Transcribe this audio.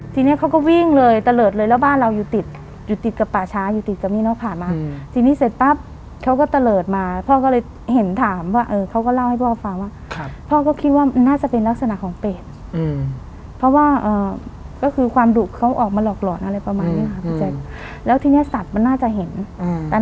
ทีนี้เขาก็วิ่งเลยตะเลิศเลยแล้วบ้านเราอยู่ติดอยู่ติดกับป่าช้าอยู่ติดกับนี่นอกผ่านมาทีนี้เสร็จปั๊บเขาก็ตะเลิศมาพ่อก็เลยเห็นถามว่าเออเขาก็เล่าให้พ่อฟังว่าพ่อก็คิดว่ามันน่าจะเป็นลักษณะของเปรตอืมเพราะว่าก็คือความดุเขาออกมาหลอกหลอนอะไรประมาณเนี้ยค่ะพี่แจ๊คแล้วทีเนี้ยสัตว์มันน่าจะเห็นอืม